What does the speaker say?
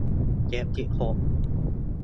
เจ็ดสิบหก